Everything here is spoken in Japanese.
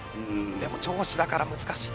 でも上司だから難しい。